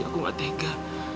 aku gak tega